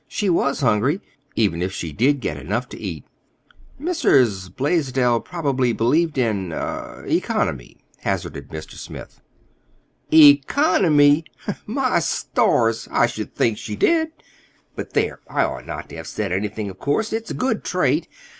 She was hungry—even if she did get enough to eat." "Mrs. Blaisdell probably believed in—er—economy," hazarded Mr. Smith. "Economy! My stars, I should think she did! But, there, I ought not to have said anything, of course. It's a good trait.